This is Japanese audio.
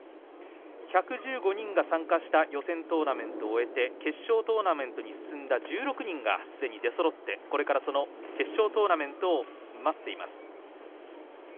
１１５人が参加した予選トーナメントを終えて決勝トーナメントに進んだ１６人がすでに出そろってこれから決勝トーナメントを待っています。